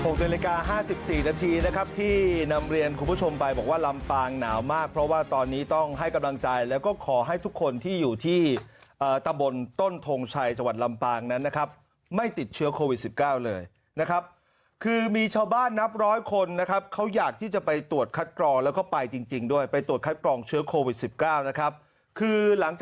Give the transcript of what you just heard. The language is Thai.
นาฬิกาห้าสิบสี่นาทีนะครับที่นำเรียนคุณผู้ชมไปบอกว่าลำปางหนาวมากเพราะว่าตอนนี้ต้องให้กำลังใจแล้วก็ขอให้ทุกคนที่อยู่ที่ตำบลต้นทงชัยจังหวัดลำปางนั้นนะครับไม่ติดเชื้อโควิดสิบเก้าเลยนะครับคือมีชาวบ้านนับร้อยคนนะครับเขาอยากที่จะไปตรวจคัดกรองแล้วก็ไปจริงจริงด้วยไปตรวจคัดกรองเชื้อโควิดสิบเก้านะครับคือหลังจาก